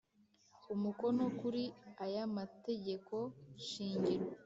Umukono kuri aya mategeko shingiro